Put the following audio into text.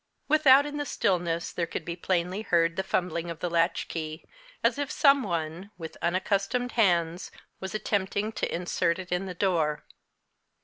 Without in the stillness, there could be plainly heard the fumbling of the latchkey, as if some one, with unaccustomed hands, was attempting to insert it in the door.